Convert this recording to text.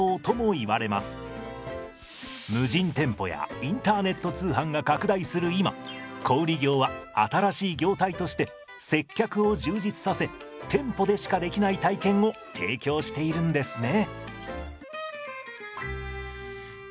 無人店舗やインターネット通販が拡大する今小売業は新しい業態として接客を充実させ店舗でしかできない体験を提供しているんですね。